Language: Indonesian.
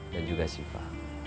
dan juga syifa